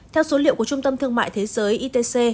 theo số liệu của trung tâm thương mại thế giới itc